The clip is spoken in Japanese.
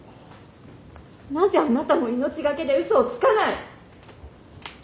なぜあなたも命懸けで嘘をつかない！